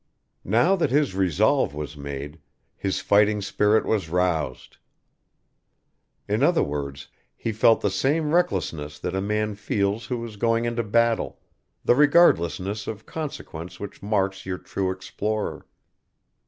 Now that his resolve was made, his fighting spirit was roused. In other words he felt the same recklessness that a man feels who is going into battle, the regardlessness of consequence which marks your true explorer.